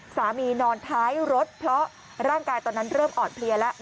นอนท้ายรถเพราะร่างกายตอนนั้นเริ่มอ่อนเพลียแล้ว